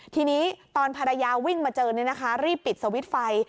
ทีนี้ตอนภรรยาวิ่งมาเจอรีบปิดสวิตช์ไฟ